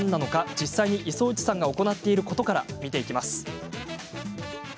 実際に磯打さんが行っていることから見てみます。